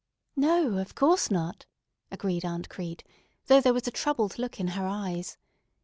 "No, of course not," agreed Aunt Crete, though there was a troubled look in her eyes.